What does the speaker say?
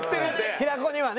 平子にはね。